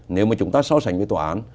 nếu mà chúng ta so sánh với tòa án